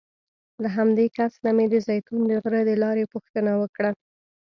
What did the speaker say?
له همدې کس نه مې د زیتون د غره د لارې پوښتنه وکړه.